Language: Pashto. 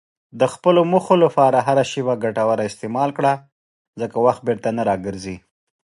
د خپلو موخو لپاره هره شېبه ګټوره استعمال کړه، ځکه وخت بیرته نه راګرځي.